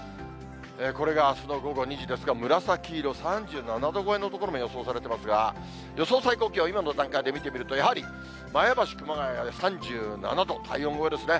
これがあすの午後２時ですが、紫色、３７度超えの所も予想されてますが、予想最高気温、今の段階で見てみると、やはり前橋、熊谷は３７度、体温超えですね。